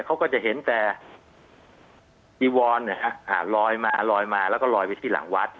เขาก็จะเห็นแต่จีวอนลอยมาลอยมาแล้วก็ลอยไปที่หลังวัด